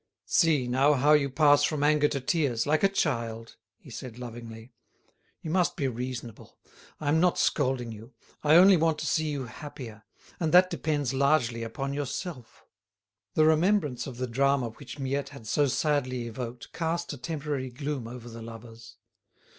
"See, now, how you pass from anger to tears, like a child," he said lovingly. "You must be reasonable. I'm not scolding you. I only want to see you happier, and that depends largely upon yourself." The remembrance of the drama which Miette had so sadly evoked cast a temporary gloom over the lovers.